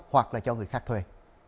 hoặc là cho người khác thuê